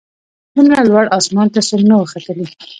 دومره لوړ اسمان ته څوک نه وه ختلي